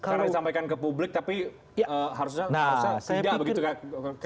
sekarang disampaikan ke publik tapi harusnya tidak begitu kak